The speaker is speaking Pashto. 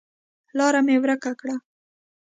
لاره مې ورکه کړه